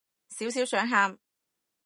少少想喊